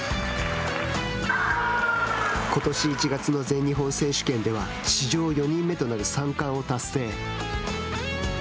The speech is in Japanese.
ことし１月の全日本選手権では史上４人目となる３冠を達成。